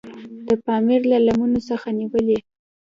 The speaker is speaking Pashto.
د پامیر له لمنو څخه نیولې.